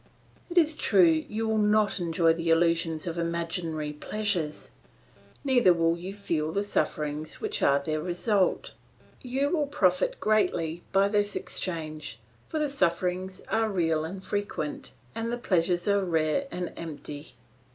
It is true you will not enjoy the illusions of imaginary pleasures, neither will you feel the sufferings which are their result. You will profit greatly by this exchange, for the sufferings are real and frequent, the pleasures are rare and empty.